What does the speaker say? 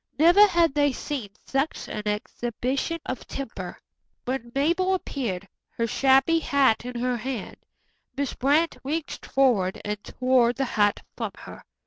Never had they seen such an exhibition of temper. When Mabel appeared, her shabby hat in her hand, Miss Brant reached forward and tore the hat from her.